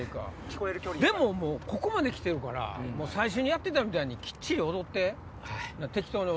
でももうここまで来てるから最初にやってたみたいにきっちり踊って。